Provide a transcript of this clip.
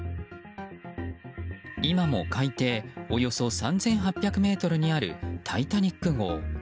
今も海底およそ３８００ｍにある「タイタニック号」。